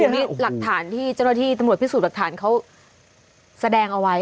นี่หรือครับอธิบายภายในตำรวจพิสูจน์หลักฐานที่เขาแสดงเอาไว้